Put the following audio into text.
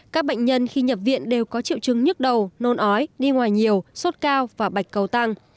các bệnh nhân khi nhập viện đều có triệu chứng nhức đầu nôn ói đi ngoài nhiều sốt cao và bạch cầu tăng